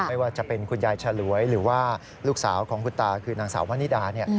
ไม่ว่าจะเป็นคุณยายฉลวยหรือว่าลูกสาวของคุณตาคือนางสาววนิดา